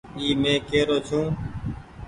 مين اي ڪي رو ڇو۔